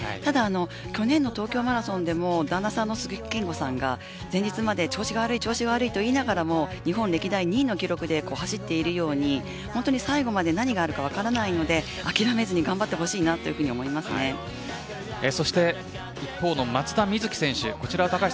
去年の東京マラソンでも旦那さんが前日まで調子が悪いと言いながらも日本歴代２位の記録で走っているように最後まで何があるか分からないので諦めずにそして一方の松田瑞生選手